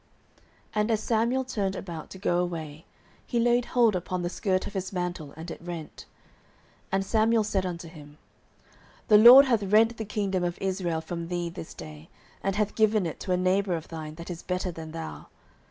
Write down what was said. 09:015:027 And as Samuel turned about to go away, he laid hold upon the skirt of his mantle, and it rent. 09:015:028 And Samuel said unto him, The LORD hath rent the kingdom of Israel from thee this day, and hath given it to a neighbour of thine, that is better than thou.